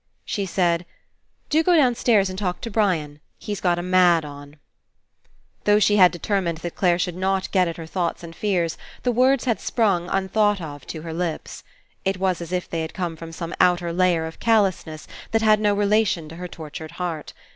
She said: "Do go downstairs and talk to Brian. He's got a mad on." Though she had determined that Clare should not get at her thoughts and fears, the words had sprung, unthought of, to her lips. It was as if they had come from some outer layer of callousness that had no relation to her tor tured heart.